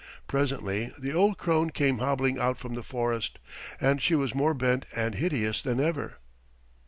Presently the old crone came hobbling out from the forest, and she was more bent and hideous than ever.